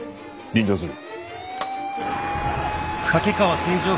臨場する。